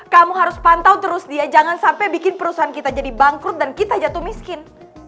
kamu harus pantau terus dia jangan sampai bikin perusahaan kita jadi bangkrut dan kita jatuh miskin